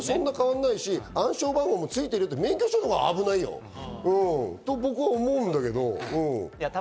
それとそんなに変わんないし、暗証番号もついてるって免許証のほうが危ないよと僕は思うんだけど。